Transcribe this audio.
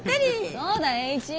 そうだい栄一。